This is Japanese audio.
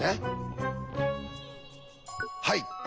はい。